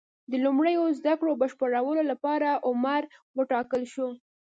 د لومړنیو زده کړو بشپړولو لپاره عمر وټاکل شو.